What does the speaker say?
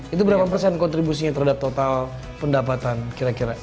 itu berapa persen kontribusinya terhadap total pendapatan kira kira